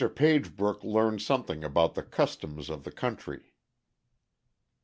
Pagebrook learns something about the Customs of the Country.